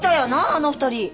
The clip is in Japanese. あの２人。